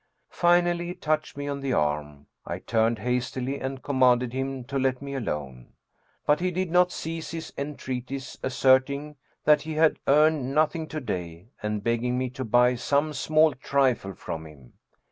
Finally he touched me on the arm; I turned hastily and commanded him to let me alone. But he did not cease his entreaties, asserting that he had earned 'nothing to day, and begging me to buy some small trifle from him.